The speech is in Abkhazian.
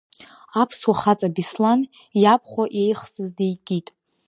Аԥсуа хаҵа Беслан иабхәа иеихсыз дикит.